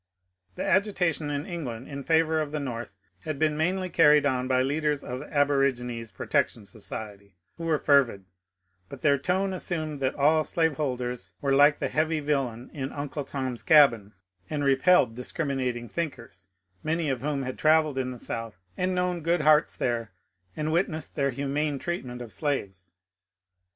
The agitation in England in favour of the North had been mainly carried on by leaders of the Aborigines Protection Society, who were fervid, but theip tone assumed that all slaveholders were like the heavy villain in ^^ Uncle Tom's 408 MONCURE DANIEL CONWAY Cabin," and repelled discriminating thinkers, many of whom had travelled in the South and known good hearts there, and witnessed their humane treatment of slaves.